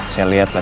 saya liat lah